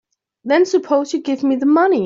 Then suppose you give me the money.